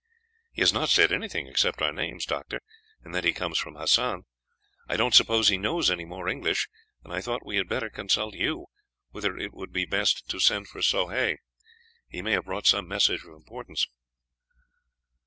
"He has not said anything except our names, Doctor, and that he comes from Hassan. I don't suppose he knows any more English, and I thought we had better consult you, whether it would be best to send for Soh Hay; he may have brought some message of importance."